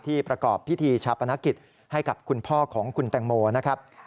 ประกอบพิธีชาปนกิจให้กับคุณพ่อของคุณแตงโมนะครับ